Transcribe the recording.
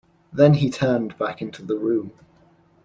Then he turned back into the room.